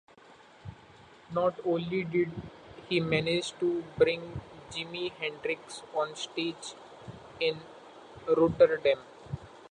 Not only did he manage to bring Jimi Hendrix on stage in Rotterdam.